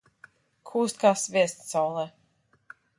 Kūst kā sviests saulē.